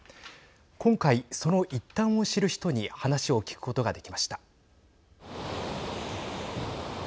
今回、その一端を知る人に話を聞くことができました。